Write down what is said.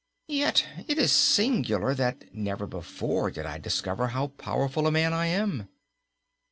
Yet it is singular' that never before did I discover how powerful a man I am."